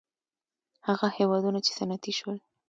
هغه هېوادونه چې صنعتي شول.